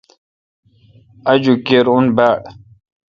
آجوک کِر اوں باڑ۔